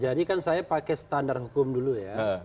jadi kan saya pakai standar hukum dulu ya